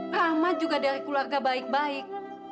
rahmat juga dari keluarga baik baik